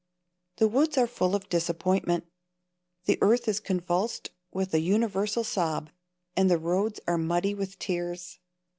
The woods are full of disappointment. The earth is convulsed with a universal sob, and the roads are muddy with tears.